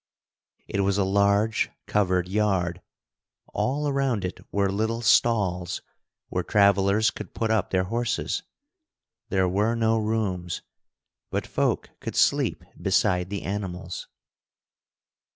It was a large covered yard. All around it were little stalls where travelers could put up their horses. There were no rooms, but folk could sleep beside the animals.